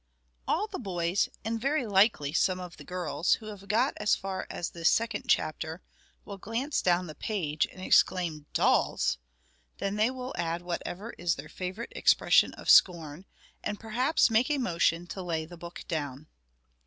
All the boys, and very likely some of the girls, who have got as far as this second chapter, will glance down the page, and exclaim: "Dolls!" Then they will add whatever is their favorite expression of scorn, and perhaps make a motion to lay the book down.